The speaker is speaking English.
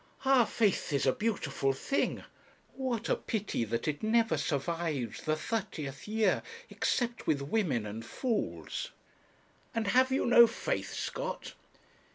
'Ah! faith is a beautiful thing; what a pity that it never survives the thirtieth year; except with women and fools.' 'And have you no faith, Scott?'